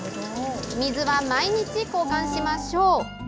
水は毎日交換しましょう。